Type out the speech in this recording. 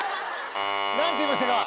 何て言いましたか？